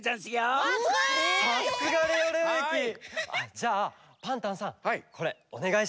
じゃあパンタンさんこれおねがいします。